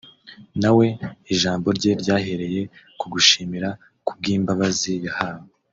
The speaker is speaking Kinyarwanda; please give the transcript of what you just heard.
na we ijambo rye ryahereye ku gushimira kubw’imbabazi yahawe